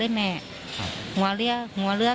เพราะคุ้มแก่จากคุณพระเย็น